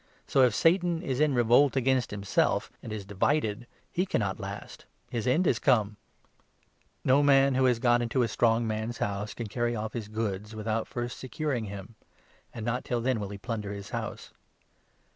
So, if Satan 26 is in revolt against himself and is divided, he cannot last — his end has come ! No man who has got into a strong man's 27 house can carry off his goods, without first securing him ; and not till then will he plunder his house.